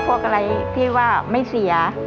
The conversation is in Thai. พวกอะไรที่ว่าไม่เสีย